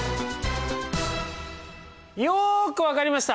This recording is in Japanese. よく分かりました！